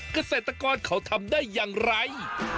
เกษตรกรเขาทำได้อย่างไร